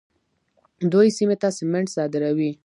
دوی سیمې ته سمنټ صادروي.